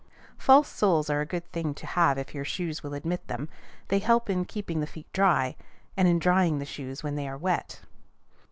False soles are a good thing to have if your shoes will admit them: they help in keeping the feet dry, and in drying the shoes when they are wet.